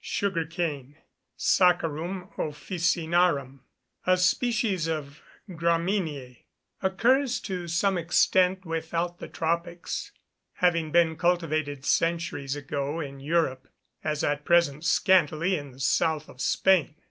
Sugar cane (Saccharum officinaram), a species of Gramineæ, occurs to some extent without the tropics, having been cultivated centuries ago in Europe, as at present scantily in the South of Spain.